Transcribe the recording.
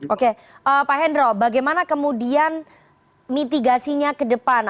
oke pak hendro bagaimana kemudian mitigasinya ke depan